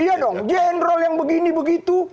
iya dong general yang begini begitu